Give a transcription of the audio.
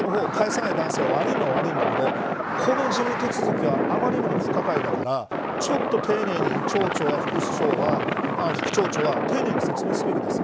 もちろん返さない男性が悪いのは悪いんだけどこの事務手続きはあまりにも不可解だからちょっと丁寧に町長や副町長は丁寧に説明するべきです。